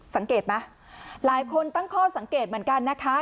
สังเกตไหมหลายคนตั้งข้อสังเกตเหมือนกันนะคะ